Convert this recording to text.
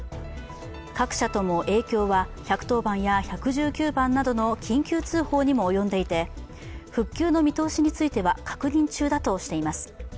各社とも影響は１１０番や１１９番などの緊急通報にも及んでいて復旧の見通しについては確認中だとしています